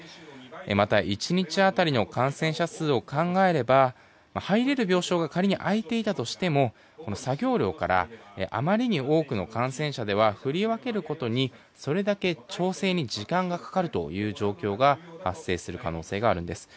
また１日当たりの感染者数を考えれば入れる病床が仮に空いていたとしても作業量からあまりに多くの感染者では振り分けることにそれだけ調整に時間がかかる状況が発生する可能性があるんです。